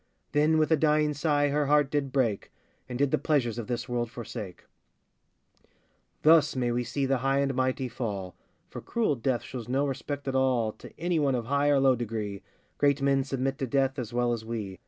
[Then with a dying sigh her heart did break, And did the pleasures of this world forsake.] Thus may we see the high and mighty fall, For cruel Death shows no respect at all To any one of high or low degree Great men submit to Death as well as we.